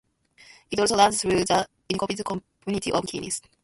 It also runs through the unincorporated community of Keene.